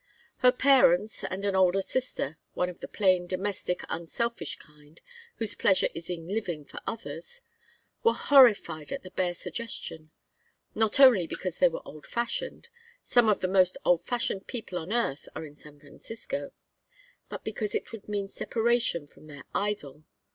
Her parents and an older sister one of the plain, domestic, unselfish kind, whose pleasure is in living for others were horrified at the bare suggestion. Not only because they were old fashioned some of the most old fashioned people on earth are in San Francisco but because it would mean separation from their idol.